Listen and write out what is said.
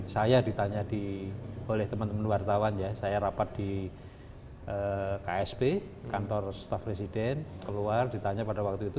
saya ditanya oleh teman teman wartawan ya saya rapat di ksp kantor staff presiden keluar ditanya pada waktu itu